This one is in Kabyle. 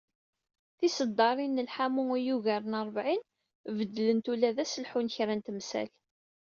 Tiseddarin n lḥamu i yugaren rebεin, beddlent ula d aselḥu n kra n temsal.